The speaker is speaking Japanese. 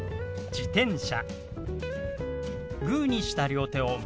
「自転車」。